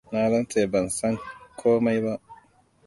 Na rantse ban san komai ba.